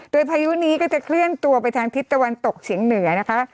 โดยพายุนี้ก็จะเคลื่อนตัวไปทางทิศตะวันตกเฉียงเหนือนะคะ